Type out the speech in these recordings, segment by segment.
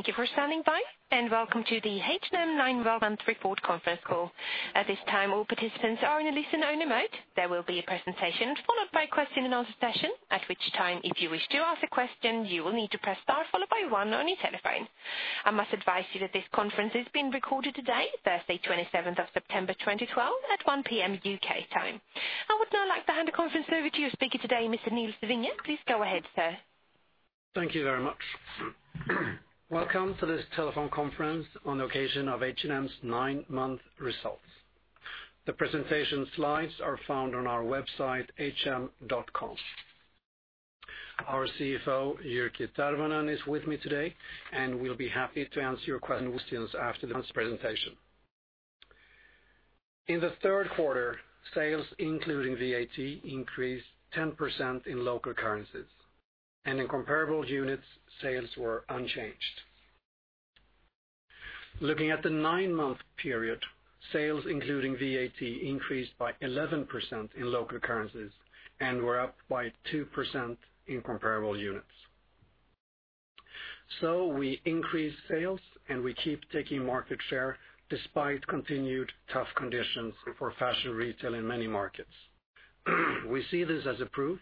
Thank you for standing by. Welcome to the H&M nine-month report conference call. At this time, all participants are in a listen-only mode. There will be a presentation followed by a question and answer session, at which time, if you wish to ask a question, you will need to press star followed by one on your telephone. I must advise you that this conference is being recorded today, Thursday, September 27, 2012, at 1:00 P.M. U.K. time. I would now like to hand the conference over to your speaker today, Mr. Nils Vinge. Please go ahead, sir. Thank you very much. Welcome to this telephone conference on the occasion of H&M's nine-month results. The presentation slides are found on our website, hm.com. Our CFO, Jyrki Tervonen, is with me today and we'll be happy to answer your questions after this presentation. In the third quarter, sales including VAT increased 10% in local currencies, and in comparable units, sales were unchanged. Looking at the nine-month period, sales including VAT increased by 11% in local currencies and were up by 2% in comparable units. We increased sales, and we keep taking market share despite continued tough conditions for fashion retail in many markets. We see this as a proof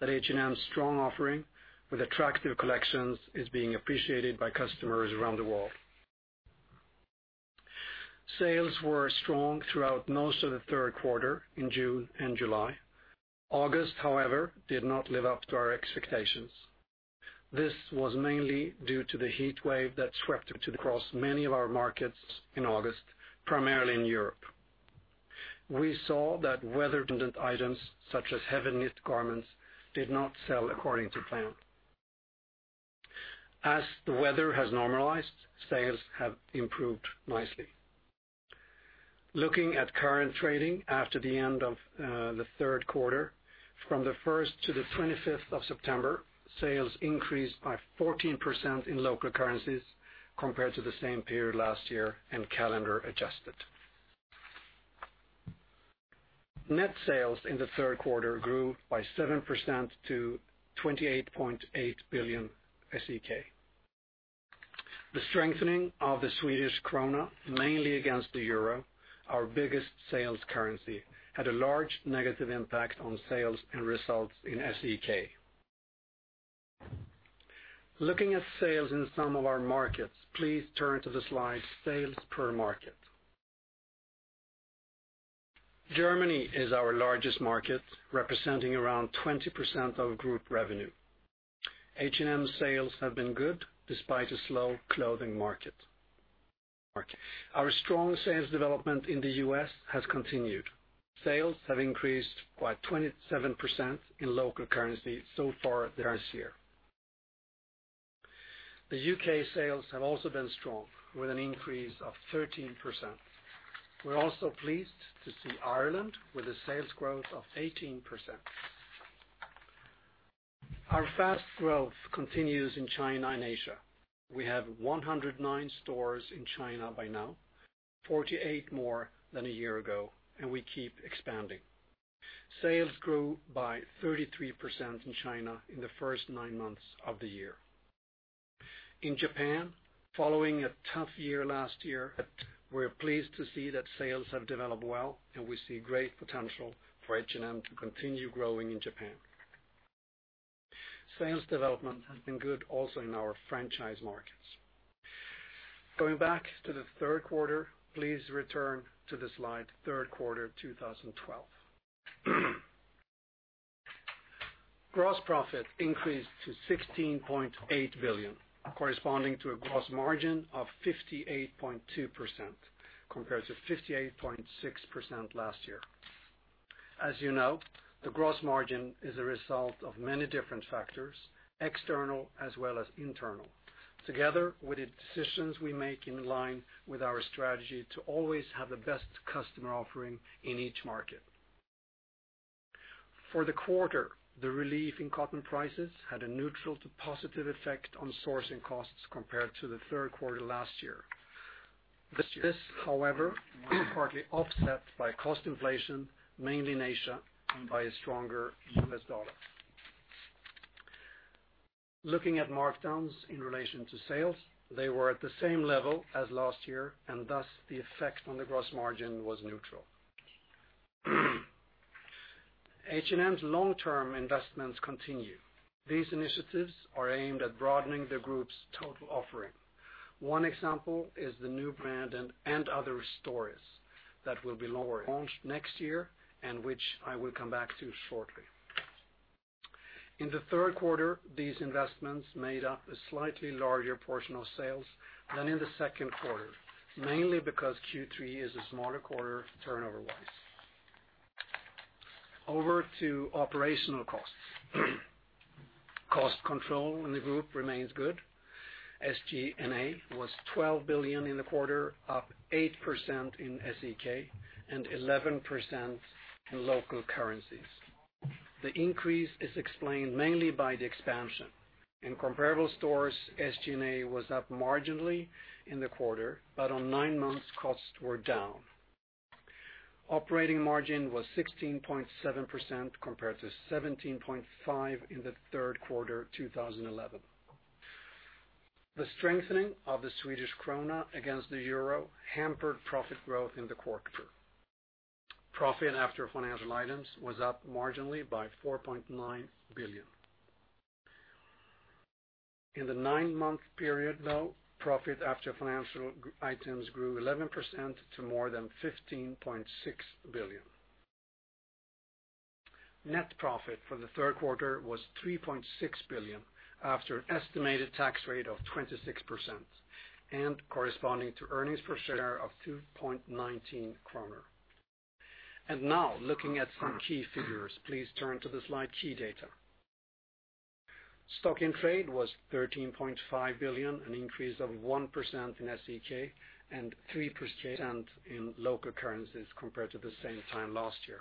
that H&M's strong offering with attractive collections is being appreciated by customers around the world. Sales were strong throughout most of the third quarter in June and July. August, however, did not live up to our expectations. This was mainly due to the heat wave that swept across many of our markets in August, primarily in Europe. We saw that weather-dependent items such as heavy knit garments did not sell according to plan. As the weather has normalized, sales have improved nicely. Looking at current trading after the end of the third quarter, from the 1st to the 25th of September, sales increased by 14% in local currencies compared to the same period last year and calendar adjusted. Net sales in the third quarter grew by 7% to 28.8 billion SEK. The strengthening of the Swedish krona, mainly against the EUR, our biggest sales currency, had a large negative impact on sales and results in SEK. Looking at sales in some of our markets, please turn to the slide Sales per Market. Germany is our largest market, representing around 20% of group revenue. H&M sales have been good despite a slow clothing market. Our strong sales development in the U.S. has continued. Sales have increased by 27% in local currency so far this year. The U.K. sales have also been strong, with an increase of 13%. We're also pleased to see Ireland with a sales growth of 18%. Our fast growth continues in China and Asia. We have 109 stores in China by now, 48 more than a year ago, and we keep expanding. Sales grew by 33% in China in the first nine months of the year. In Japan, following a tough year last year, we're pleased to see that sales have developed well, and we see great potential for H&M to continue growing in Japan. Sales development has been good also in our franchise markets. Going back to the third quarter, please return to the slide Third Quarter 2012. Gross profit increased to 16.8 billion, corresponding to a gross margin of 58.2% compared to 58.6% last year. As you know, the gross margin is a result of many different factors, external as well as internal, together with the decisions we make in line with our strategy to always have the best customer offering in each market. For the quarter, the relief in cotton prices had a neutral to positive effect on sourcing costs compared to the third quarter last year. This, however, was partly offset by cost inflation, mainly in Asia and by a stronger US dollar. Looking at markdowns in relation to sales, they were at the same level as last year. Thus the effect on the gross margin was neutral. H&M's long-term investments continue. These initiatives are aimed at broadening the group's total offering. One example is the new brand & Other Stories that will be launched next year and which I will come back to shortly. In the third quarter, these investments made up a slightly larger portion of sales than in the second quarter, mainly because Q3 is a smaller quarter turnover-wise. Over to operational costs. Cost control in the group remains good. SG&A was 12 billion in the quarter, up 8% in SEK and 11% in local currencies. The increase is explained mainly by the expansion. In comparable stores, SG&A was up marginally in the quarter, but on nine months, costs were down. Operating margin was 16.7% compared to 17.5% in the third quarter 2011. The strengthening of the Swedish krona against the euro hampered profit growth in the quarter. Profit after financial items was up marginally by 4.9 billion. In the nine-month period, though, profit after financial items grew 11% to more than 15.6 billion. Net profit for the third quarter was 3.6 billion after estimated tax rate of 26% and corresponding to earnings per share of 2.19 kronor. Now looking at some key figures, please turn to the slide Key Data. Stock in trade was 13.5 billion, an increase of 1% in SEK and 3% in local currencies compared to the same time last year.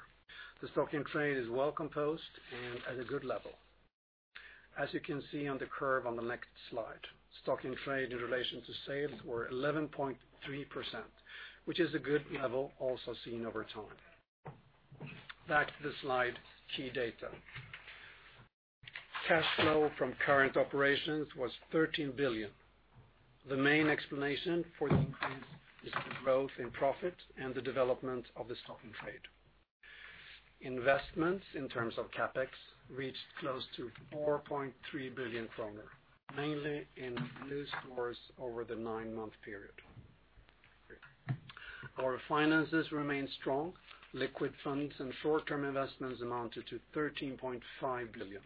The stock in trade is well composed and at a good level. As you can see on the curve on the next slide, stock in trade in relation to sales were 11.3%, which is a good level also seen over time. Back to the slide Key Data. Cash flow from current operations was 13 billion. The main explanation for the increase is the growth in profit and the development of the stock in trade. Investments in terms of CapEx reached close to 4.3 billion kronor, mainly in new stores over the nine-month period. Our finances remain strong. Liquid funds and short-term investments amounted to 13.5 billion.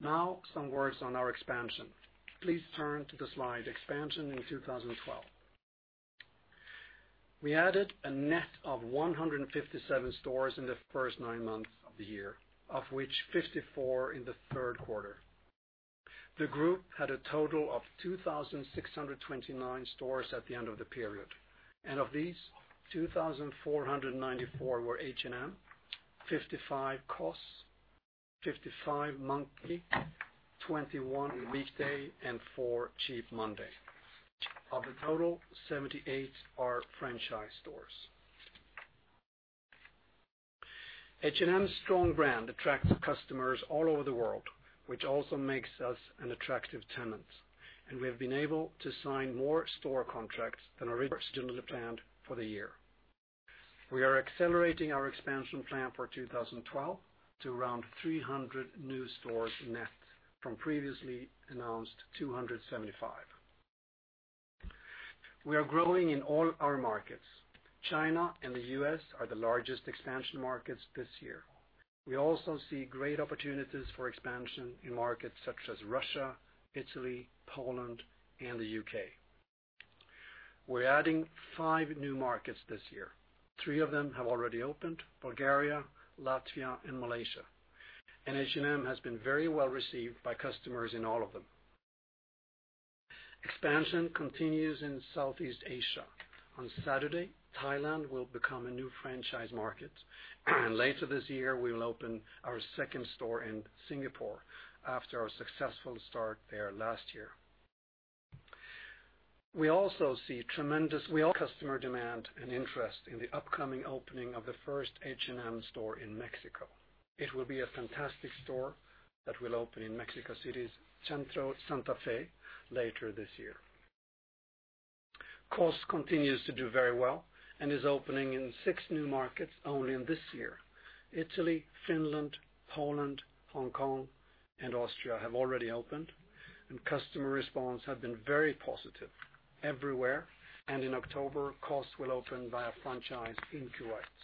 Now some words on our expansion. Please turn to the slide, Expansion in 2012. We added a net of 157 stores in the first nine months of the year, of which 54 in the third quarter. The group had a total of 2,629 stores at the end of the period. Of these, 2,494 were H&M, 55 COS, 55 MONKI, 21 WEEKDAY, and four Cheap Monday. Of the total, 78 are franchise stores. H&M's strong brand attracts customers all over the world, which also makes us an attractive tenant, and we have been able to sign more store contracts than originally planned for the year. We are accelerating our expansion plan for 2012 to around 300 new stores net from previously announced 275. We are growing in all our markets. China and the U.S. are the largest expansion markets this year. We also see great opportunities for expansion in markets such as Russia, Italy, Poland, and the U.K. We're adding five new markets this year. Three of them have already opened, Bulgaria, Latvia, and Malaysia. H&M has been very well-received by customers in all of them. Expansion continues in Southeast Asia. On Saturday, Thailand will become a new franchise market, and later this year, we will open our second store in Singapore after our successful start there last year. We also see tremendous customer demand and interest in the upcoming opening of the first H&M store in Mexico. It will be a fantastic store that will open in Mexico City's Centro Santa Fe later this year. COS continues to do very well and is opening in six new markets only in this year. Italy, Finland, Poland, Hong Kong, and Austria have already opened, and customer response have been very positive everywhere. In October, COS will open via franchise in Kuwait.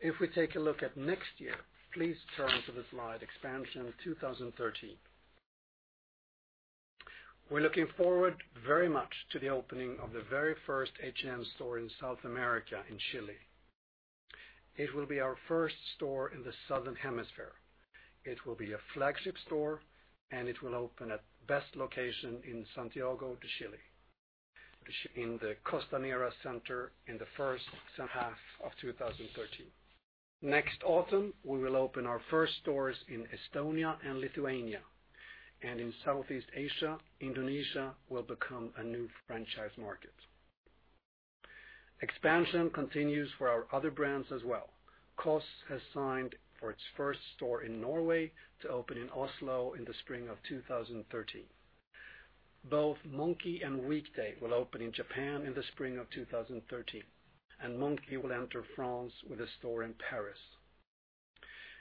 If we take a look at next year, please turn to the slide Expansion 2013. We're looking forward very much to the opening of the very first H&M store in South America in Chile. It will be our first store in the Southern Hemisphere. It will be a flagship store, and it will open at best location in Santiago de Chile, in the Costanera Center in the first half of 2013. Next autumn, we will open our first stores in Estonia and Lithuania, and in Southeast Asia, Indonesia will become a new franchise market. Expansion continues for our other brands as well. COS has signed for its first store in Norway to open in Oslo in the spring of 2013. Both MONKI and WEEKDAY will open in Japan in the spring of 2013, and MONKI will enter France with a store in Paris.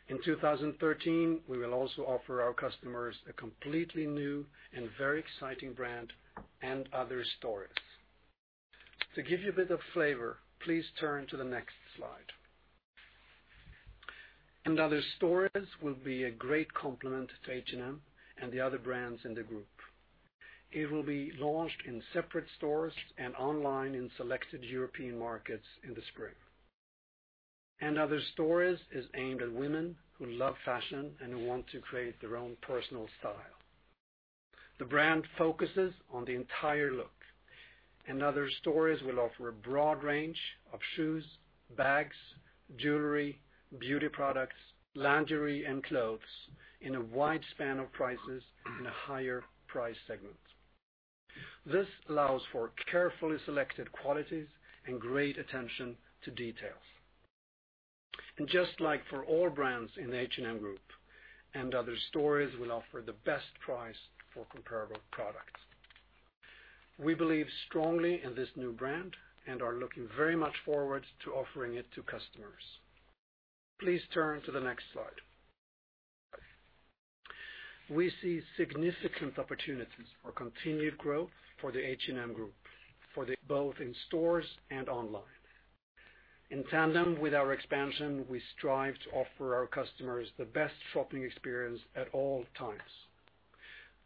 In 2013, we will also offer our customers a completely new and very exciting brand & Other Stories. To give you a bit of flavor, please turn to the next slide. & Other Stories will be a great complement to H&M and the other brands in the Group. It will be launched in separate stores and online in selected European markets in the spring. & Other Stories is aimed at women who love fashion and who want to create their own personal style. The brand focuses on the entire look. & Other Stories will offer a broad range of shoes, bags, jewelry, beauty products, lingerie, and clothes in a wide span of prices in a higher price segment. This allows for carefully selected qualities and great attention to details. Just like for all brands in the H&M Group, & Other Stories will offer the best price for comparable products. We believe strongly in this new brand and are looking very much forward to offering it to customers. Please turn to the next slide. We see significant opportunities for continued growth for the H&M Group, for both in stores and online. In tandem with our expansion, we strive to offer our customers the best shopping experience at all times.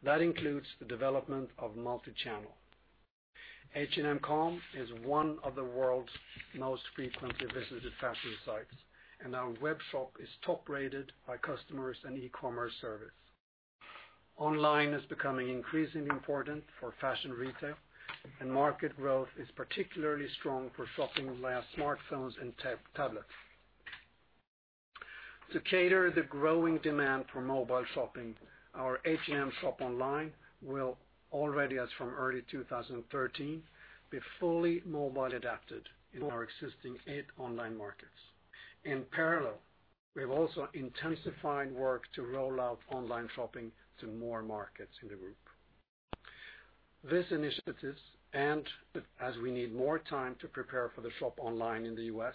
That includes the development of multi-channel. hm.com is one of the world's most frequently visited fashion sites, and our webshop is top-rated by customers and eCommerce service. Online is becoming increasingly important for fashion retail, and market growth is particularly strong for shopping via smartphones and tablets. To cater the growing demand for mobile shopping, our H&M shop online will, already as from early 2013, be fully mobile adapted in our existing eight online markets. In parallel, we have also intensified work to roll out online shopping to more markets in the group. These initiatives, and as we need more time to prepare for the shop online in the U.S.,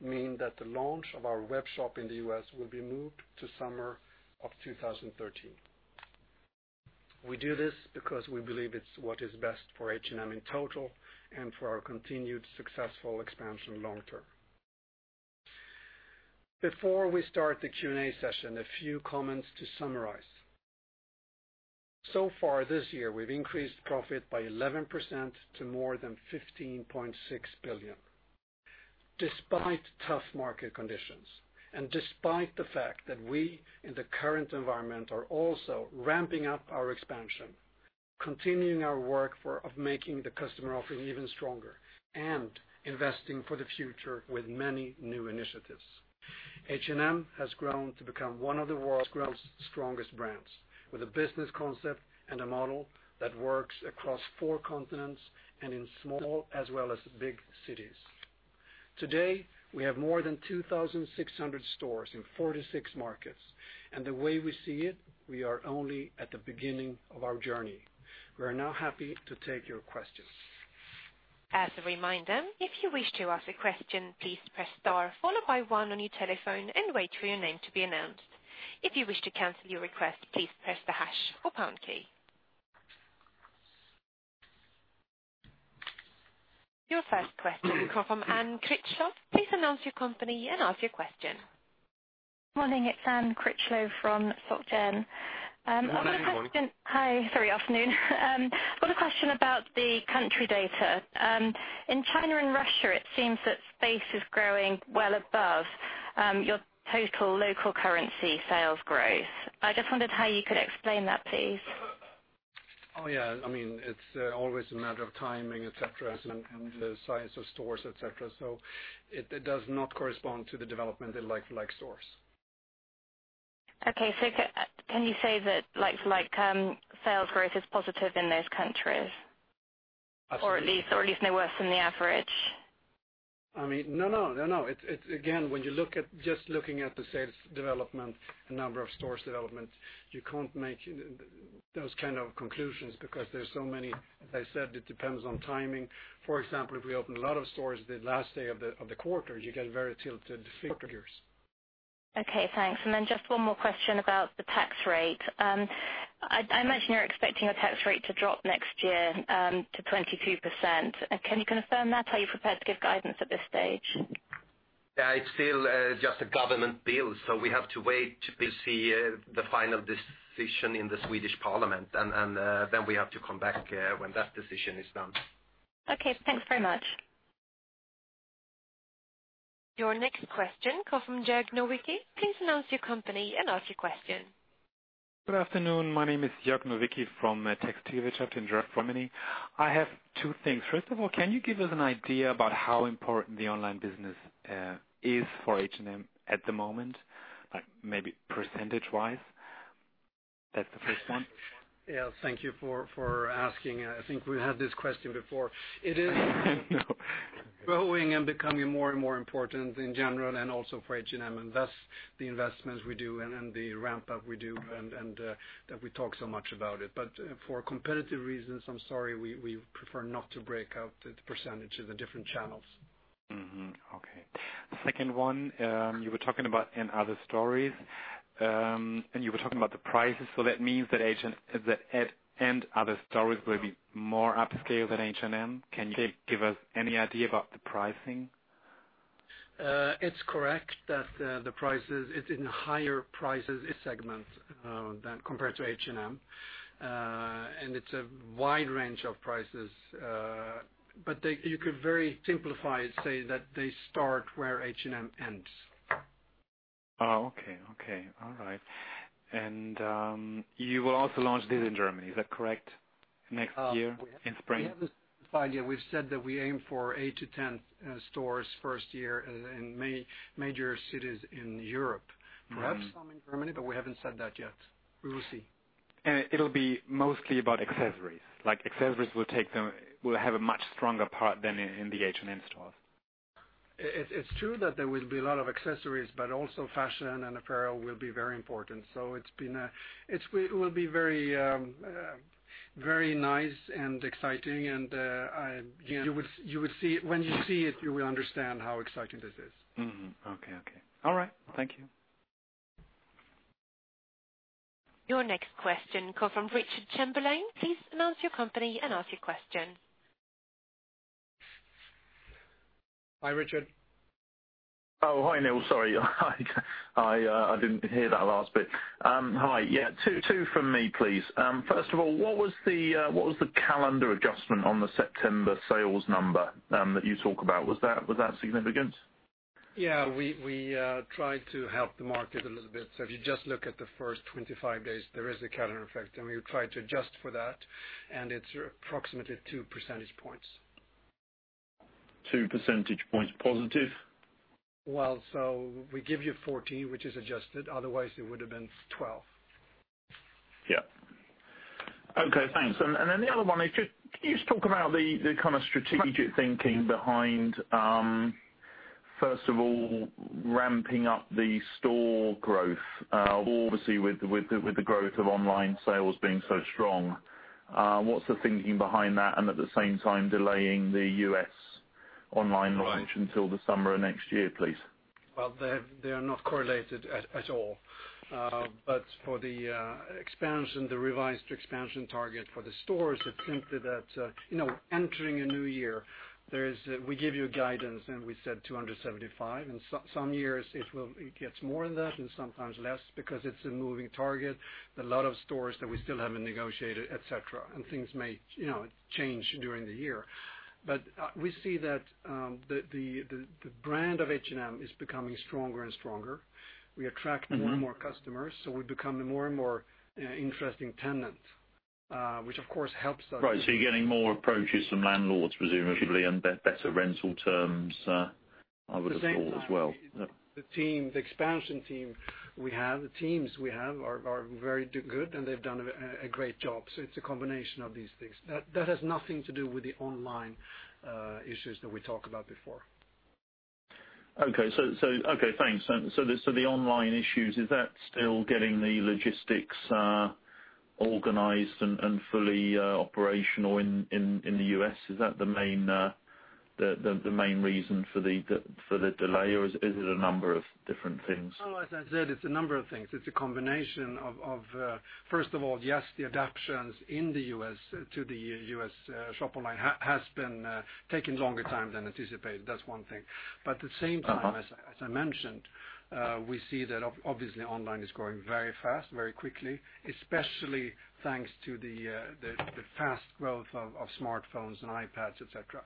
mean that the launch of our webshop in the U.S. will be moved to summer of 2013. Far this year, we've increased profit by 11% to more than 15.6 billion. Despite tough market conditions, and despite the fact that we, in the current environment, are also ramping up our expansion, continuing our work of making the customer offering even stronger and investing for the future with many new initiatives. H&M has grown to become one of the world's strongest brands, with a business concept and a model that works across four continents and in small as well as big cities. Today, we have more than 2,600 stores in 46 markets. The way we see it, we are only at the beginning of our journey. We are now happy to take your questions. As a reminder, if you wish to ask a question, please press star, followed by one on your telephone and wait for your name to be announced. If you wish to cancel your request, please press the hash or pound key. Your first question will come from Anne Critchlow. Please announce your company and ask your question. Morning, it's Anne Critchlow from Société Générale. Good morning. Hi. Sorry, afternoon. I've got a question about the country data. In China and Russia, it seems that space is growing well above your total local currency sales growth. I just wondered how you could explain that, please. Yeah. It's always a matter of timing, et cetera, and the size of stores, et cetera. It does not correspond to the development in like stores. Okay. Can you say that like sales growth is positive in those countries? Absolutely. Or at least no worse than the average? No. Again, when you look at just looking at the sales development, the number of stores development, you can't make those kind of conclusions because there's so many, as I said, it depends on timing. For example, if we open a lot of stores the last day of the quarter, you get very tilted figures. Okay, thanks. Just one more question about the tax rate. I imagine you're expecting your tax rate to drop next year to 22%. Can you confirm that? Are you prepared to give guidance at this stage? It's still just a government bill, we have to wait to see the final decision in the Swedish Parliament, we have to come back when that decision is done. Okay, thanks very much. Your next question comes from Jörg Nowaczyk. Please announce your company and ask your question. Good afternoon. My name is Jörg Nowaczyk from TXCARGOSTAR in Germany. I have two things. First of all, can you give us an idea about how important the online business is for H&M at the moment? Maybe percentage-wise? That's the first one. Yes, thank you for asking. I think we had this question before. I know growing and becoming more and more important in general and also for H&M, thus the investments we do and the ramp up we do, and that we talk so much about it. For competitive reasons, I'm sorry, we prefer not to break out the % of the different channels. Okay. Second one, you were talking about & Other Stories, and you were talking about the prices. That means that & Other Stories will be more upscale than H&M? Can you give us any idea about the pricing? It's correct that the prices, it's in a higher price segment compared to H&M. It's a wide range of prices. You could very simplify it, say that they start where H&M ends. Okay. All right. You will also launch this in Germany, is that correct? Next year in spring? We have said that we aim for eight to 10 stores first year in major cities in Europe. Perhaps some in Germany, we haven't said that yet. We will see. It'll be mostly about accessories. Like accessories will have a much stronger part than in the H&M stores. It's true that there will be a lot of accessories, also fashion and apparel will be very important. It will be very nice and exciting, and when you see it, you will understand how exciting this is. Mm-hmm. Okay. All right. Thank you. Your next question comes from Richard Chamberlain. Please announce your company and ask your question. Hi, Richard. Oh, hi, Nils. Sorry. I didn't hear that last bit. Hi. Yeah, two from me, please. First of all, what was the calendar adjustment on the September sales number that you talk about? Was that significant? Yeah, we tried to help the market a little bit. If you just look at the first 25 days, there is a calendar effect, and we try to adjust for that, and it's approximately two percentage points. Two percentage points positive? Well, we give you 14, which is adjusted. Otherwise, it would have been 12. Yeah. Okay, thanks. The other one is just, can you just talk about the kind of strategic thinking behind, first of all, ramping up the store growth, obviously with the growth of online sales being so strong. What's the thinking behind that, and at the same time, delaying the U.S. online launch until the summer of next year, please? They are not correlated at all. For the revised expansion target for the stores, it is simply that entering a new year, we give you guidance, and we said 275. Some years, it gets more than that and sometimes less because it is a moving target. There are a lot of stores that we still haven't negotiated, et cetera. Things may change during the year. We see that the brand of H&M is becoming stronger and stronger. We attract more and more customers, so we become a more and more interesting tenant, which of course helps us. Right. You are getting more approaches from landlords, presumably, and better rental terms, I would have thought as well. The expansion team we have, the teams we have are very good, and they've done a great job. It is a combination of these things. That has nothing to do with the online issues that we talked about before. Okay, thanks. The online issues, is that still getting the logistics organized and fully operational in the U.S.? Is that the main reason for the delay, or is it a number of different things? No, as I said, it's a number of things. It's a combination of, first of all, yes, the adaptions in the U.S. to the U.S. shop online has been taking longer time than anticipated. That's one thing. At the same time, as I mentioned, we see that obviously online is growing very fast, very quickly, especially thanks to the fast growth of smartphones and iPads, et cetera.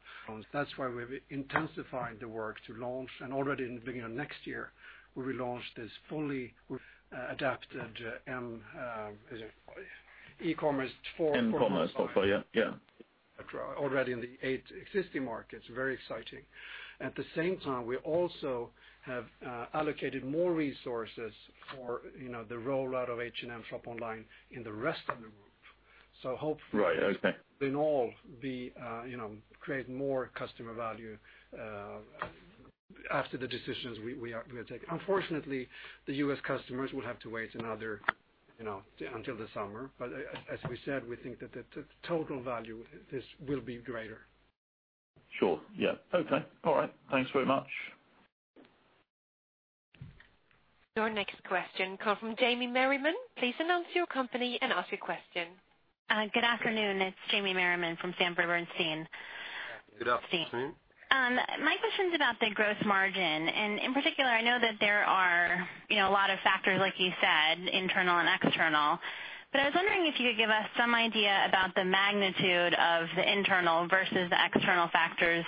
That's why we've intensified the work to launch, and already in the beginning of next year, we will launch this fully adapted eCommerce for- mCommerce. Yeah already in the eight existing markets. Very exciting. At the same time, we also have allocated more resources for the rollout of H&M shop online in the rest of the group. Hopefully- Right. Okay in all, create more customer value after the decisions we are going to take. Unfortunately, the U.S. customers will have to wait until the summer. As we said, we think that the total value, this will be greater. Sure. Yeah. Okay. All right. Thanks very much. Your next question come from Jamie Merriman. Please announce your company and ask your question. Good afternoon, it's Jamie Merriman from Sanford Bernstein. Good afternoon. My question's about the gross margin, in particular, I know that there are a lot of factors, like you said, internal and external. I was wondering if you could give us some idea about the magnitude of the internal versus the external factors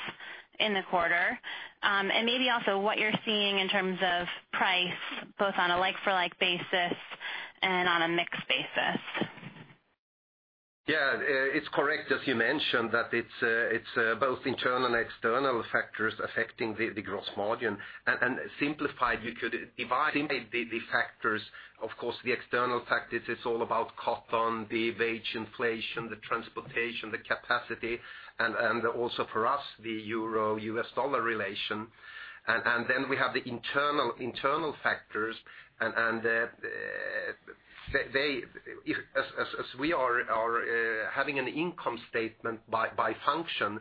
in the quarter, and maybe also what you're seeing in terms of price, both on a like-for-like basis and on a mixed basis. Yeah. It's correct, as you mentioned, that it's both internal and external factors affecting the gross margin. Simplified, you could divide the factors, of course, the external factors, it's all about cotton, the wage inflation, the transportation, the capacity, also for us, the euro-US dollar relation. Then we have the internal factors as we are having an income statement by function,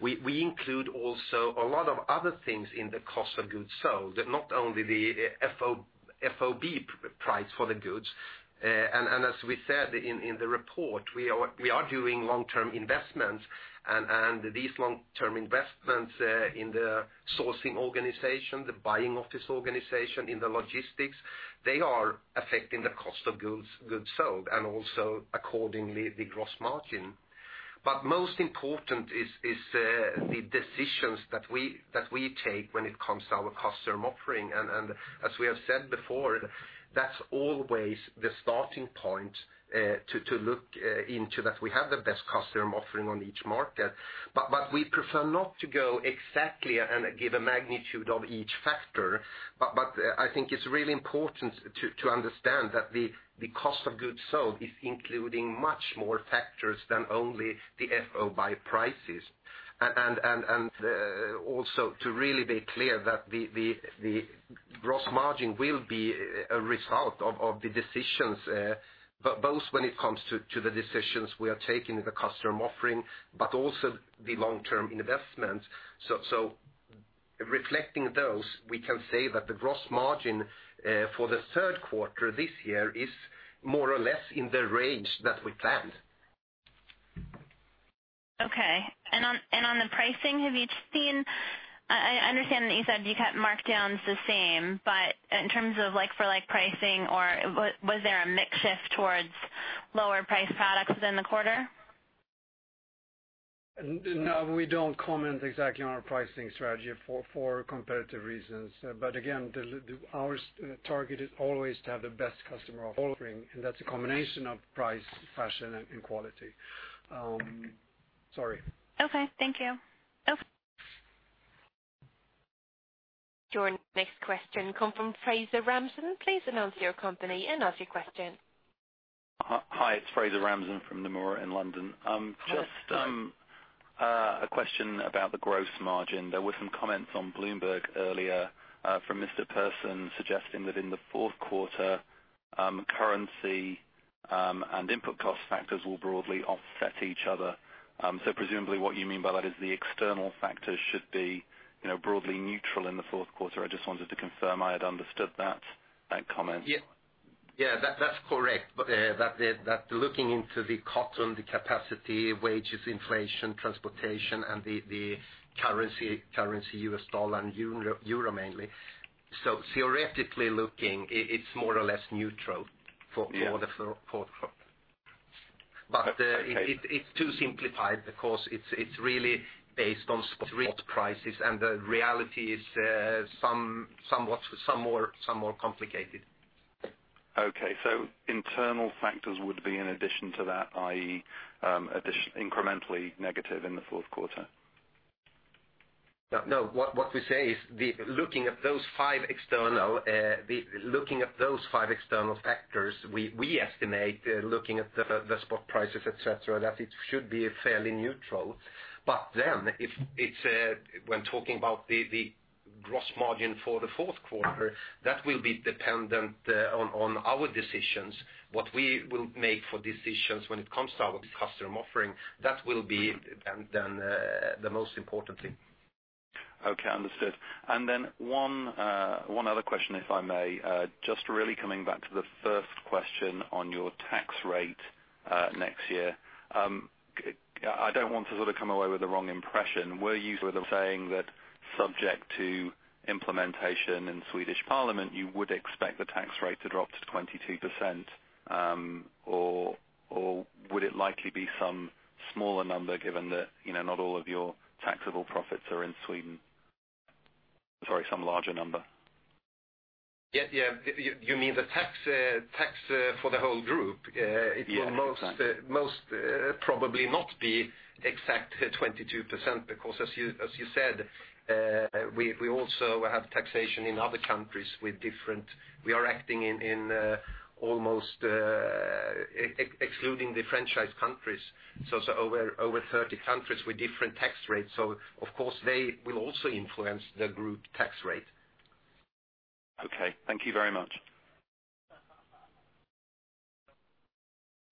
we include also a lot of other things in the cost of goods sold, not only the FOB price for the goods. As we said in the report, we are doing long-term investments, these long-term investments in the sourcing organization, the buying office organization, in the logistics, they are affecting the cost of goods sold and also accordingly, the gross margin. Most important is the. Decisions that we take when it comes to our customer offering. As we have said before, that's always the starting point, to look into that we have the best customer offering on each market. We prefer not to go exactly and give a magnitude of each factor. I think it's really important to understand that the cost of goods sold is including much more factors than only the FOB prices. Also to really be clear that the gross margin will be a result of the decisions, both when it comes to the decisions we are taking with the customer offering, but also the long-term investment. Reflecting those, we can say that the gross margin for the third quarter this year is more or less in the range that we planned. Okay. On the pricing, I understand that you said you kept markdowns the same, but in terms of like-for-like pricing, or was there a mix shift towards lower priced products within the quarter? No, we don't comment exactly on our pricing strategy for competitive reasons. Again, our target is always to have the best customer offering, and that's a combination of price, fashion, and quality. Sorry. Okay. Thank you. Your next question come from Fraser Ramsden. Please announce your company and ask your question. Hi, it's Fraser Ramsden from Nomura in London. Just a question about the gross margin. There were some comments on Bloomberg earlier from Mr. Persson suggesting that in the fourth quarter, currency and input cost factors will broadly offset each other. Presumably what you mean by that is the external factors should be broadly neutral in the fourth quarter. I just wanted to confirm I had understood that comment. Yeah, that's correct. That looking into the cotton, the capacity, wages, inflation, transportation, and the currency, US dollar and euro mainly. Theoretically looking, it's more or less neutral for the fourth quarter. Okay. It's too simplified because it's really based on spot prices, and the reality is some more complicated. Okay. Internal factors would be in addition to that, i.e., incrementally negative in the fourth quarter? No. What we say is, looking at those five external factors, we estimate, looking at the spot prices, et cetera, that it should be fairly neutral. When talking about the gross margin for the fourth quarter, that will be dependent on our decisions, what we will make for decisions when it comes to our customer offering. That will be then the most important thing. Okay, understood. One other question, if I may, just really coming back to the first question on your tax rate next year. I don't want to sort of come away with the wrong impression. Were you sort of saying that subject to implementation in Swedish Parliament, you would expect the tax rate to drop to 22%? Or would it likely be some smaller number given that not all of your taxable profits are in Sweden? Sorry, some larger number. Yeah. You mean the tax for the whole group? Yeah, exactly. It will most probably not be exact 22%, because as you said, we also have taxation in other countries with different we are acting in almost, excluding the franchise countries, over 30 countries with different tax rates. Of course, they will also influence the group tax rate. Okay. Thank you very much.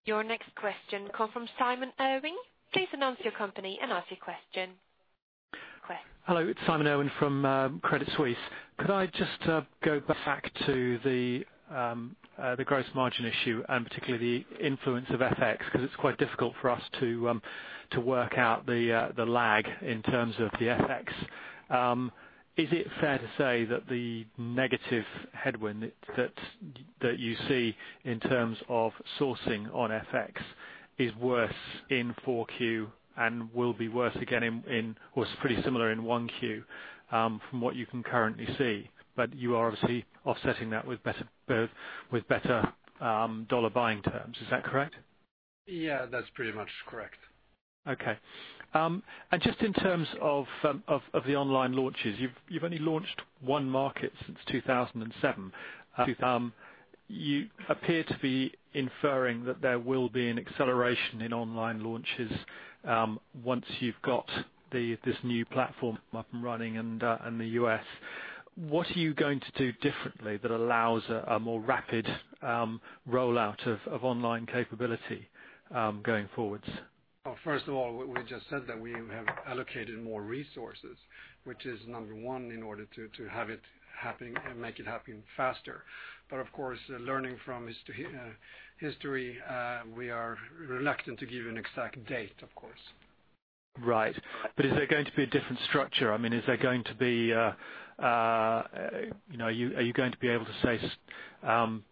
Your next question come from Simon Irwin. Please announce your company and ask your question. Hello, it's Simon Irwin from Credit Suisse. Could I just go back to the gross margin issue, and particularly the influence of FX, because it's quite difficult for us to work out the lag in terms of the FX. Is it fair to say that the negative headwind that you see in terms of sourcing on FX is worse in 4 Q and will be worse again in, or it's pretty similar in 1 Q from what you can currently see? You are obviously offsetting that with better dollar buying terms. Is that correct? Yeah, that's pretty much correct. Okay. Just in terms of the online launches, you've only launched one market since 2007. You appear to be inferring that there will be an acceleration in online launches once you've got this new platform up and running and the U.S. What are you going to do differently that allows a more rapid rollout of online capability going forwards? First of all, we just said that we have allocated more resources, which is number one, in order to have it happening and make it happen faster. Of course, learning from history, we are reluctant to give an exact date, of course. Right. Is there going to be a different structure? Are you going to be able to, say,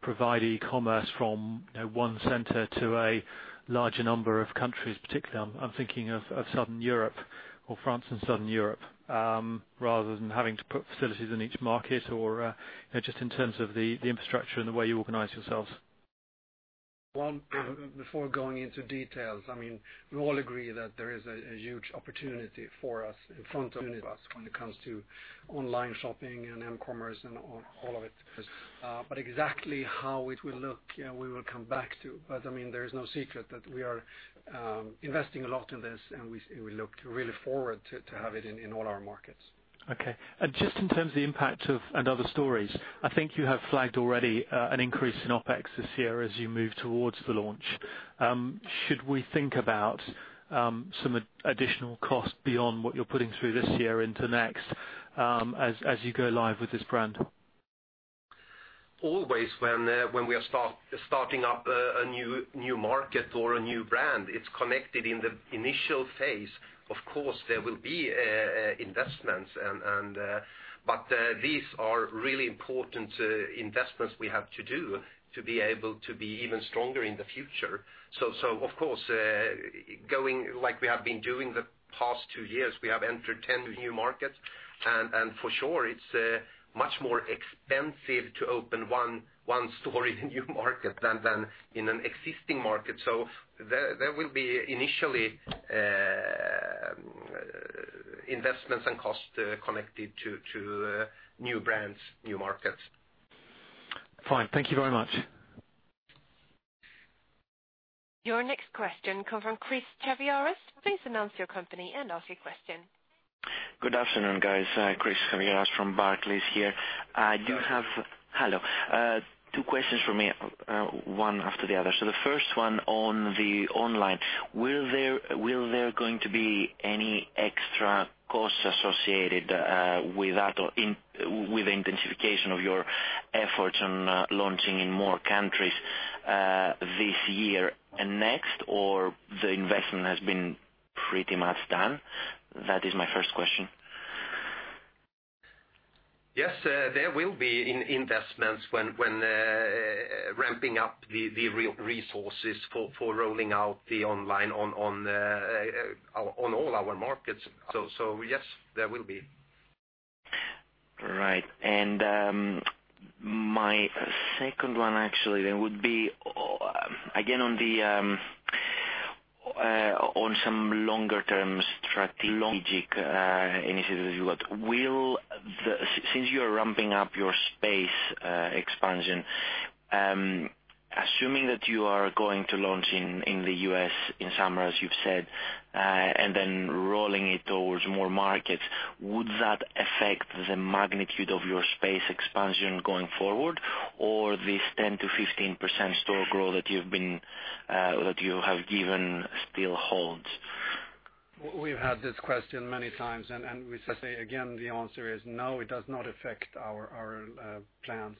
provide eCommerce from one center to a larger number of countries, particularly, I'm thinking of Southern Europe or France and Southern Europe, rather than having to put facilities in each market, or just in terms of the infrastructure and the way you organize yourselves? Well, before going into details, we all agree that there is a huge opportunity for us, in front of us when it comes to online shopping and mCommerce and all of it. Exactly how it will look, we will come back to. There is no secret that we are investing a lot in this, and we look really forward to have it in all our markets. Okay. Just in terms of the impact of & Other Stories, I think you have flagged already an increase in OpEx this year as you move towards the launch. Should we think about some additional cost beyond what you're putting through this year into next, as you go live with this brand? Always when we are starting up a new market or a new brand, it's connected in the initial phase. Of course, there will be investments. These are really important investments we have to do to be able to be even stronger in the future. Of course, going like we have been doing the past two years, we have entered 10 new markets, and for sure it's much more expensive to open one store in new market than in an existing market. There will be initially, investments and cost connected to new brands, new markets. Fine. Thank you very much. Your next question come from Chris Chaviaras. Please announce your company and ask your question. Good afternoon, guys. Chris Chaviaras from Barclays here. Hello. Hello. Two questions from me, one after the other. The first one on the online. Will there going to be any extra costs associated with the intensification of your efforts on launching in more countries this year and next, or the investment has been pretty much done? That is my first question. Yes, there will be investments when ramping up the resources for rolling out the online on all our markets. Yes, there will be. My second one actually would be again, on some longer term strategic initiatives you got. Since you are ramping up your space expansion, assuming that you are going to launch in the U.S. in summer, as you've said, and then rolling it towards more markets, would that affect the magnitude of your space expansion going forward? Or this 10%-15% store growth that you have given still holds? We've had this question many times, we say again, the answer is no, it does not affect our plans.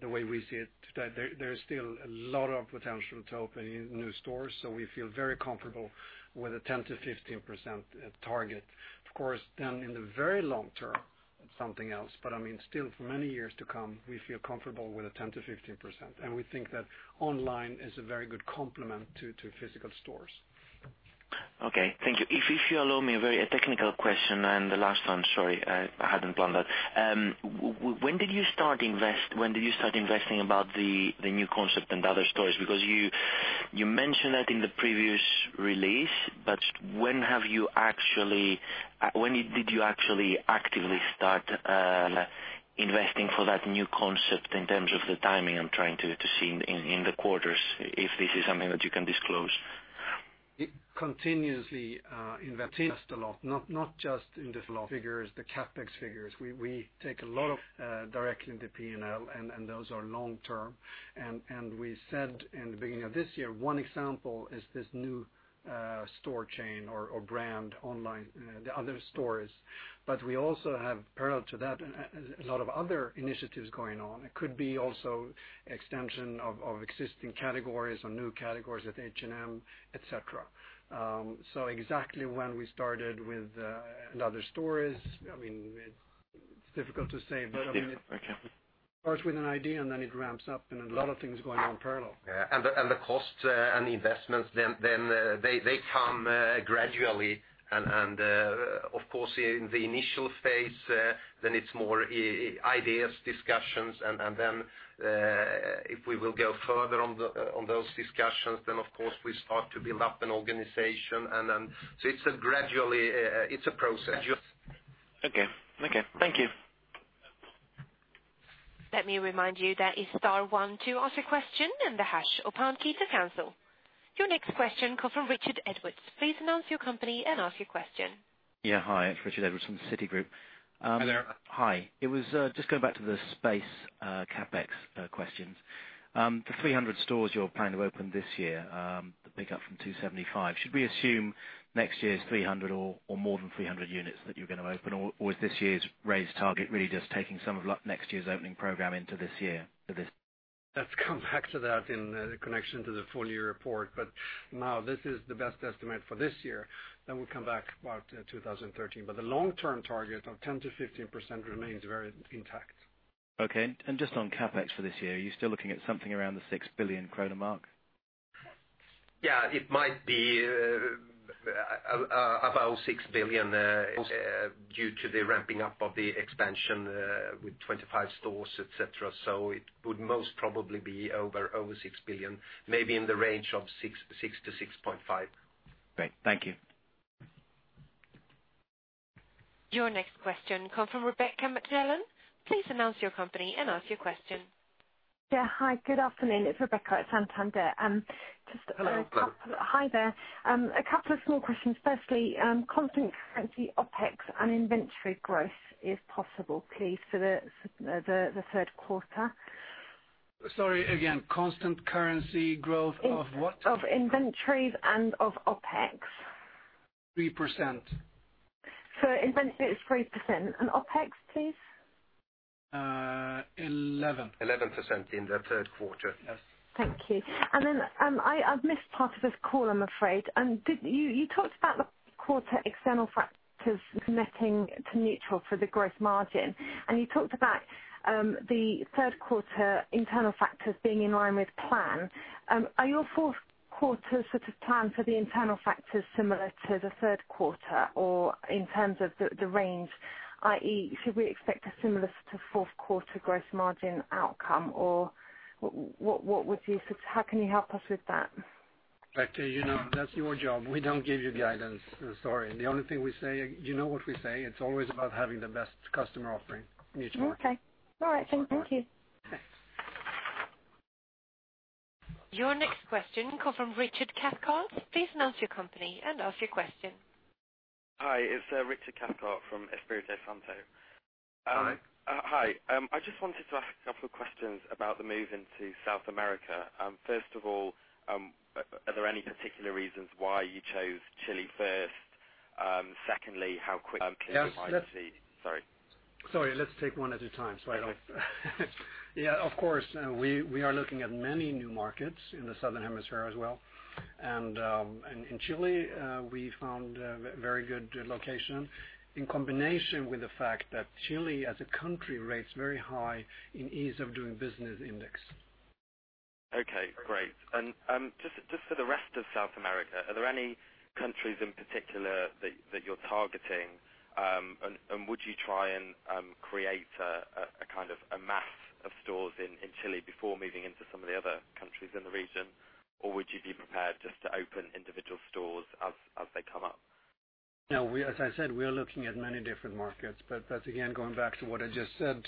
The way we see it today, there is still a lot of potential to open new stores, we feel very comfortable with a 10%-15% target. Of course, in the very long term, something else. Still, for many years to come, we feel comfortable with a 10%-15%, and we think that online is a very good complement to physical stores. Okay, thank you. If you allow me a very technical question and the last one, sorry I hadn't planned that. When did you start investing about the new concept & Other Stories? You mentioned that in the previous release, when did you actually actively start investing for that new concept in terms of the timing, I'm trying to see in the quarters, if this is something that you can disclose. We continuously invest a lot, not just in the figures, the CapEx figures. We take a lot of directly in the P&L, those are long-term. We said in the beginning of this year, one example is this new store chain or brand online, the & Other Stories. We also have, parallel to that, a lot of other initiatives going on. It could be also extension of existing categories or new categories at H&M, et cetera. Exactly when we started with & Other Stories, it's difficult to say. Yeah. Okay. It starts with an idea, and then it ramps up, and a lot of things going on parallel. The cost and the investments, they come gradually and, of course, in the initial phase, then it's more ideas, discussions, and then if we will go further on those discussions, then of course, we start to build up an organization and then, it's a gradually, it's a process. Okay. Thank you. Let me remind you that it's star 1 to ask a question and the hash or pound key to cancel. Your next question come from Richard Edwards. Please announce your company and ask your question. Yeah. Hi, it's Richard Edwards from Citigroup. Hi there. Hi. It was just going back to the space CapEx questions. The 300 stores you're planning to open this year, the pickup from 275. Should we assume next year's 300 or more than 300 units that you're going to open, or is this year's raised target really just taking some of next year's opening program into this year for this? Let's come back to that in connection to the full-year report. Now this is the best estimate for this year. We'll come back about 2013. The long-term target of 10%-15% remains very intact. Okay, just on CapEx for this year, are you still looking at something around the EUR 6 billion mark? Yeah, it might be about 6 billion due to the ramping up of the expansion with 25 stores, et cetera. It would most probably be over 6 billion, maybe in the range of 6 billion-EUR 6.5 billion. Great. Thank you. Your next question come from Rebecca McClellan. Please announce your company and ask your question. Yeah. Hi, good afternoon. It's Rebecca at Santander. Hello. Hi there. A couple of small questions. Firstly, constant currency OpEx and inventory growth, if possible, please, for the third quarter. Sorry, again, constant currency growth of what? Of inventories and of OpEx. 3%. For inventory, it's 3%. OpEx, please? 11. 11% in the third quarter. Yes. Thank you. I've missed part of this call, I'm afraid. You talked about the quarter external factors netting to neutral for the gross margin, and you talked about the third quarter internal factors being in line with plan. Are your fourth quarter plan for the internal factors similar to the third quarter? In terms of the range, i.e., should we expect a similar to fourth quarter gross margin outcome? How can you help us with that? Rebecca, you know that's your job. We don't give you guidance, sorry. The only thing we say, you know what we say, it's always about having the best customer offering each quarter. Okay. All right. Thank you. Thanks. Your next question come from Richard Cathcart. Please announce your company and ask your question. Hi, it's Richard Cathcart from Espirito Santo. Hi. Hi. I just wanted to ask a couple questions about the move into South America. First of all, are there any particular reasons why you chose Chile first? Secondly, how quickly- Yes. Sorry. Sorry, let's take one at a time so Yeah, of course, we are looking at many new markets in the southern hemisphere as well. In Chile, we found a very good location in combination with the fact that Chile, as a country, rates very high in Ease of Doing Business index. Okay, great. Just for the rest of South America, are there any countries in particular that you're targeting? Would you try and create a kind of a mass of stores in Chile before moving into some of the other countries in the region? Would you be prepared just to open individual stores as they come up? No, as I said, we are looking at many different markets. Again, going back to what I just said,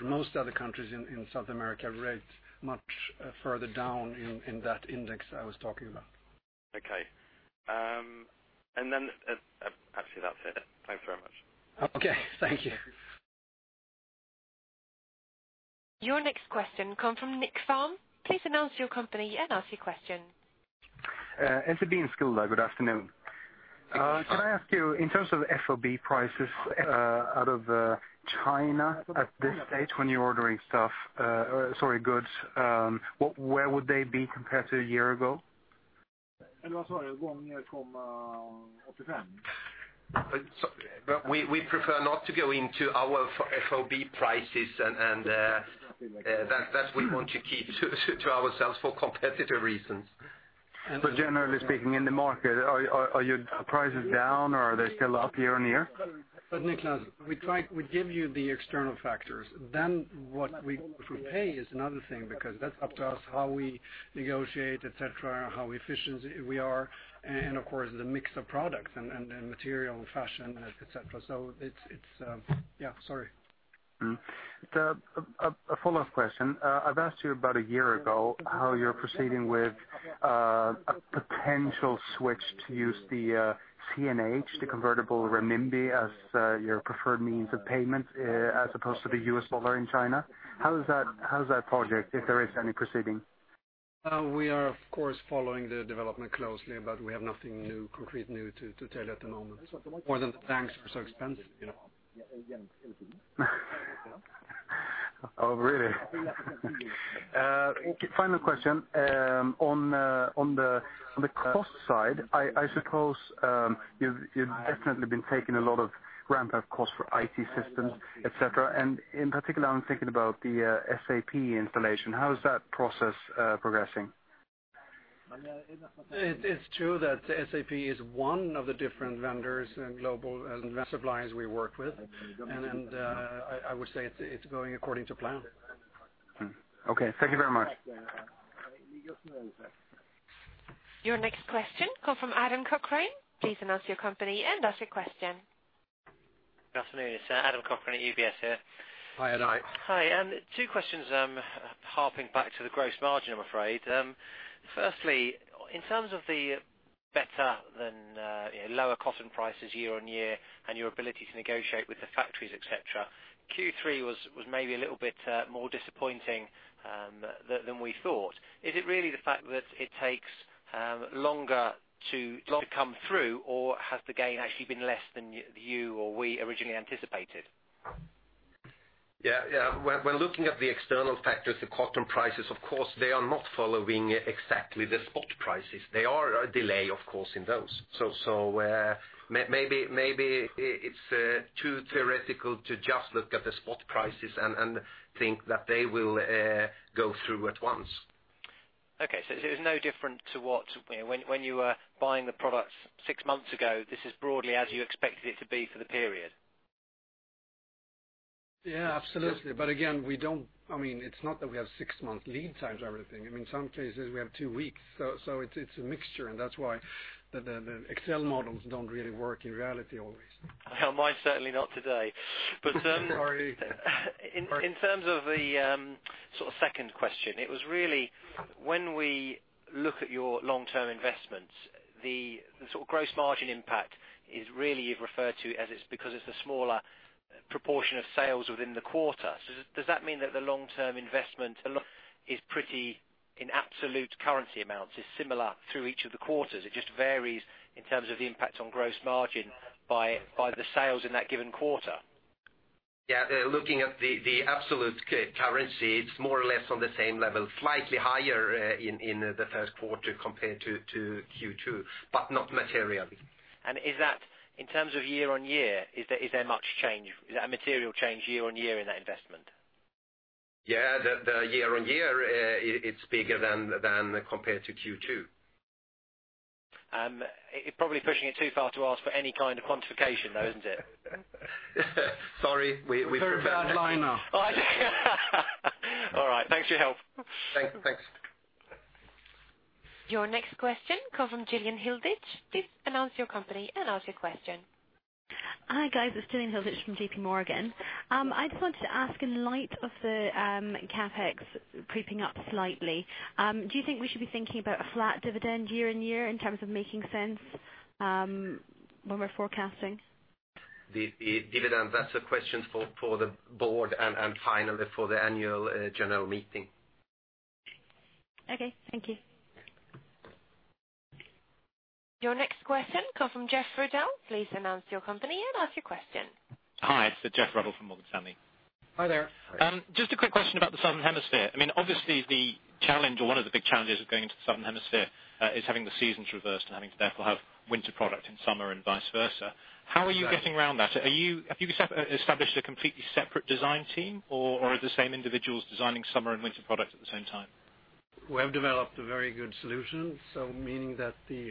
most other countries in South America rate much further down in that index I was talking about. Okay. Actually, that's it. Thanks very much. Okay. Thank you. Your next question come from NickFhärm. Please announce your company and ask your question. SEB Enskilda, good afternoon. Can I ask you, in terms of FOB prices out of China at this stage when you're ordering stuff, sorry, goods, where would they be compared to a year ago? We prefer not to go into our FOB prices, and that we want to keep to ourselves for competitive reasons. Generally speaking, in the market, are your prices down or are they still up year-on-year? Nick, we give you the external factors. What we pay is another thing, because that's up to us how we negotiate, et cetera, how efficient we are, and of course, the mix of products and material fashion, et cetera. Yeah, sorry. A follow-up question. I've asked you about a year ago how you're proceeding with a potential switch to use the CNH, the convertible renminbi, as your preferred means of payment, as opposed to the US dollar in China. How is that project, if there is any proceeding? We are, of course, following the development closely, but we have nothing concrete new to tell you at the moment. More than the banks are so expensive. Oh, really? Final question. On the cost side, I suppose you've definitely been taking a lot of ramp-up costs for IT systems, et cetera, and in particular, I'm thinking about the SAP installation. How is that process progressing? It's true that SAP is one of the different vendors and global suppliers we work with, and I would say it's going according to plan. Okay. Thank you very much. Your next question come from Adam Cochrane. Please announce your company and ask your question. Good afternoon. It's Adam Cochrane at UBS here. Hi, Adam. Hi. Two questions harping back to the gross margin, I'm afraid. Firstly, in terms of the better than lower cotton prices year-on-year and your ability to negotiate with the factories, et cetera, Q3 was maybe a little bit more disappointing than we thought. Is it really the fact that it takes longer to come through, or has the gain actually been less than you or we originally anticipated? Yeah. When looking at the external factors, the cotton prices, of course, they are not following exactly the spot prices. They are a delay, of course, in those. Maybe it's too theoretical to just look at the spot prices and think that they will go through at once. Okay. It's no different to what when you were buying the products six months ago, this is broadly as you expected it to be for the period? Yeah, absolutely. Again, it's not that we have six-month lead times or everything. In some cases, we have two weeks. It's a mixture, and that's why the Excel models don't really work in reality always. Mine, certainly not today. Sorry. In terms of the second question, it was really when we look at your long-term investments, the gross margin impact is really you've referred to as it's because it's a smaller proportion of sales within the quarter. Does that mean that the long-term investment is pretty, in absolute currency amounts, is similar through each of the quarters? It just varies in terms of the impact on gross margin by the sales in that given quarter. Yeah, looking at the absolute currency, it's more or less on the same level, slightly higher in the first quarter compared to Q2, but not materially. Is that, in terms of year-on-year, is there much change? Is that a material change year-on-year in that investment? Yeah, the year-on-year, it's bigger than compared to Q2. It probably pushing it too far to ask for any kind of quantification, though, isn't it? Sorry, we- We're a very bad liar. All right. Thanks for your help. Thanks. Thanks. Your next question comes from Gillian Hilditch. Please announce your company and ask your question. Hi, guys. It's Gillian Hilditch from JP Morgan. I just wanted to ask, in light of the CapEx creeping up slightly, do you think we should be thinking about a flat dividend year-on-year in terms of making sense when we're forecasting? The dividend, that's a question for the board and finally for the annual general meeting. Okay, thank you. Your next question comes from Geoffrey Ruddell. Please announce your company and ask your question. Hi, it's Geoffrey Ruddell from Morgan Stanley. Hi there. Just a quick question about the Southern Hemisphere. Obviously, the challenge or one of the big challenges of going into the Southern Hemisphere, is having the seasons reversed and having to therefore have winter product in summer and vice versa. How are you getting around that? Have you established a completely separate design team, or are the same individuals designing summer and winter products at the same time? We have developed a very good solution. Meaning that the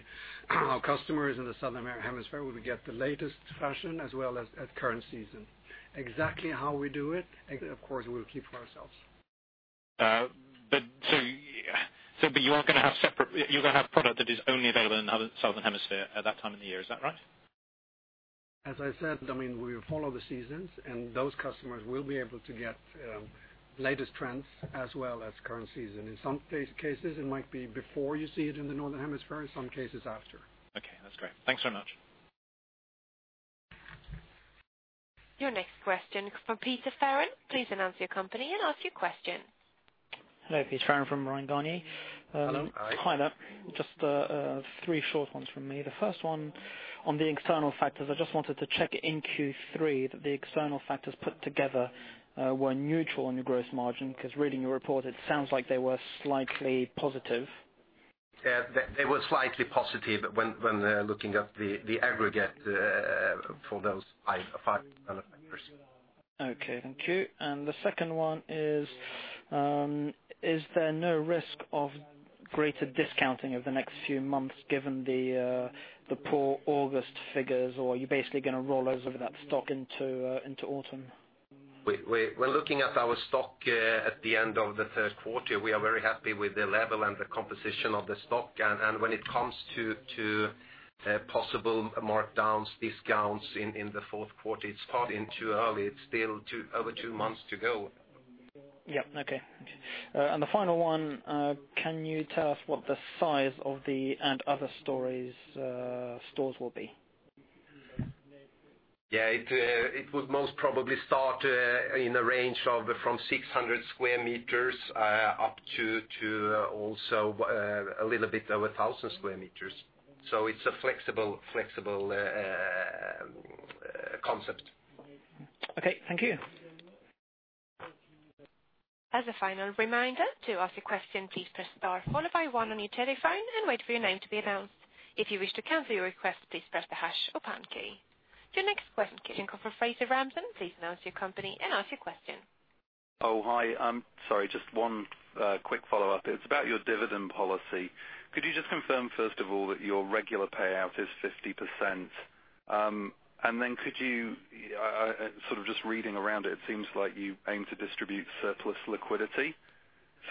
customers in the Southern Hemisphere will get the latest fashion as well as current season. Exactly how we do it, of course, we'll keep to ourselves. You are going to have product that is only available in the Southern Hemisphere at that time of the year. Is that right? As I said, we follow the seasons. Those customers will be able to get latest trends as well as current season. In some cases, it might be before you see it in the Northern Hemisphere, some cases after. Okay, that's great. Thanks very much. Your next question comes from Pierre Ferragu. Please announce your company and ask your question. Hello. Pierre Ferragu from Bryan, Garnier. Hello, hi. Hi there. Just three short ones from me. The first one on the external factors, I just wanted to check in Q3 that the external factors put together were neutral on your gross margin because reading your report, it sounds like they were slightly positive. They were slightly positive when looking at the aggregate for those five factors. Okay, thank you. The second one is there no risk of greater discounting over the next few months given the poor August figures, or are you basically going to roll over that stock into autumn? We're looking at our stock at the end of the third quarter. We are very happy with the level and the composition of the stock. When it comes to possible markdowns, discounts in the fourth quarter, it's far into early. It's still over two months to go. Yeah. Okay. The final one, can you tell us what the size of the & Other Stories stores will be? it would most probably start in a range of from 600 sq m up to also a little bit over 1,000 sq m. It's a flexible concept. Okay. Thank you. As a final reminder, to ask a question, please press star followed by one on your telephone and wait for your name to be announced. If you wish to cancel your request, please press the hash or pound key. Your next question comes from Fraser Ramzan. Please announce your company and ask your question. Oh, hi. Sorry, just one quick follow-up. It's about your dividend policy. Could you just confirm, first of all, that your regular payout is 50%? Then could you Sort of just reading around it seems like you aim to distribute surplus liquidity.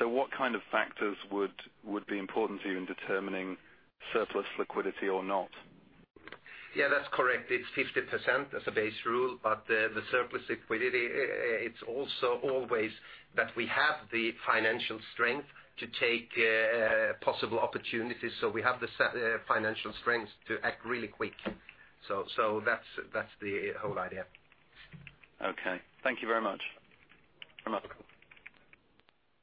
What kind of factors would be important to you in determining surplus liquidity or not? Yeah, that's correct. It's 50% as a base rule, the surplus liquidity, it's also always that we have the financial strength to take possible opportunities. We have the financial strength to act really quick. That's the whole idea. Okay. Thank you very much.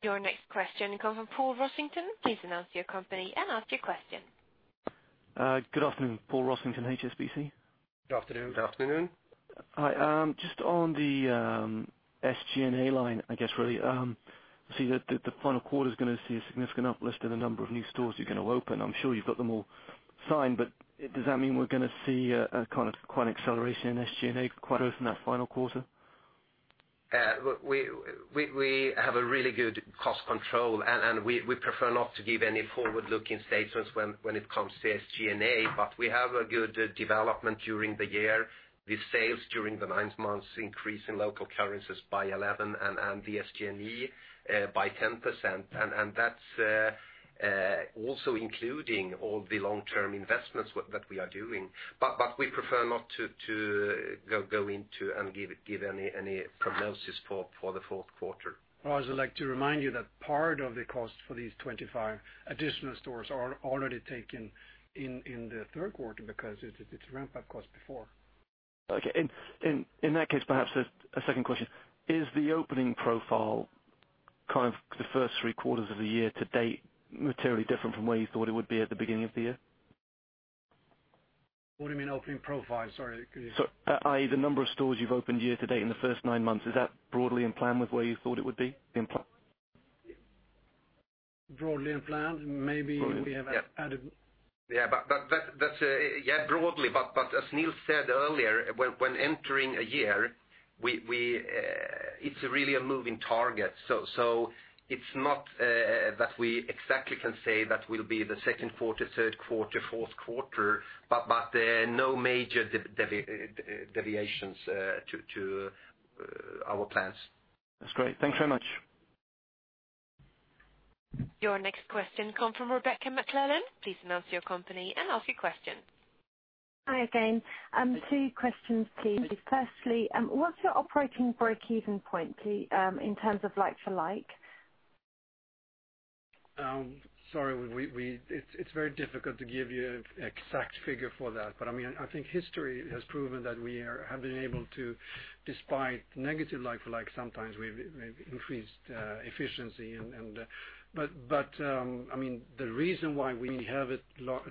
Your next question comes from Paul Rossington. Please announce your company and ask your question. Good afternoon, Paul Rossington, HSBC. Good afternoon. Good afternoon. Hi. Just on the SG&A line, I guess really. I see that the final quarter is going to see a significant uplift in the number of new stores you're going to open. I'm sure you've got them all signed, does that mean we're going to see a quite an acceleration in SG&A quarter in that final quarter? We have a really good cost control, we prefer not to give any forward-looking statements when it comes to SG&A. We have a good development during the year with sales during the nine months increase in local currencies by 11% and the SG&A by 10%. That's also including all the long-term investments that we are doing. We prefer not to go into and give any prognosis for the fourth quarter. I also like to remind you that part of the cost for these 25 additional stores are already taken in the third quarter because it's a ramp-up cost before. In that case, perhaps a second question. Is the opening profile, kind of, the first three quarters of the year to date materially different from where you thought it would be at the beginning of the year? What do you mean opening profile? Sorry. Could you- I.e., the number of stores you've opened year to date in the first nine months, is that broadly in plan with where you thought it would be? Broadly in plan, maybe we have. Yeah. Broadly, as Nils said earlier, when entering a year, it's really a moving target. It's not that we exactly can say that will be the second quarter, third quarter, fourth quarter, but there are no major deviations to our plans. That's great. Thank you so much. Your next question comes from Rebecca McClellan. Please announce your company and ask your question. Hi again. Two questions, please. Firstly, what's your operating break-even point, please, in terms of like-for-like? Sorry. It's very difficult to give you an exact figure for that. I think history has proven that we have been able to, despite negative like-for-like, sometimes we've increased efficiency. The reason why we have a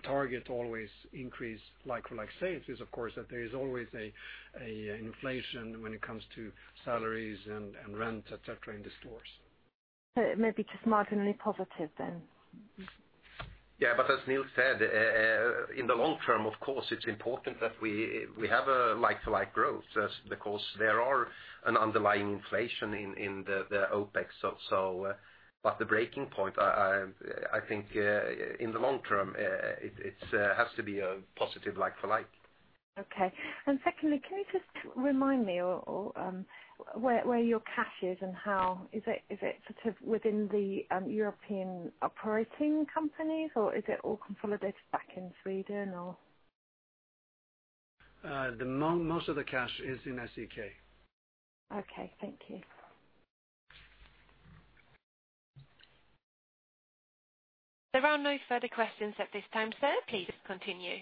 target always increase like-for-like sales is, of course, that there is always an inflation when it comes to salaries and rent, et cetera, in the stores. Maybe just marginally positive then. Yeah, as Nils said, in the long term, of course, it's important that we have a like-to-like growth because there is an underlying inflation in the OpEx. The breaking point, I think, in the long term, it has to be a positive like-for-like. Okay. Secondly, can you just remind me where your cash is and how? Is it sort of within the European operating companies, or is it all consolidated back in Sweden, or? Most of the cash is in SEK. Okay, thank you. There are no further questions at this time, sir. Please continue.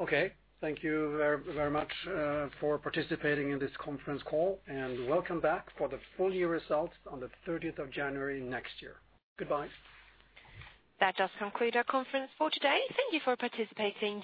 Okay. Thank you very much for participating in this conference call. Welcome back for the full year results on the 30th of January next year. Goodbye. That does conclude our conference for today. Thank you for participating.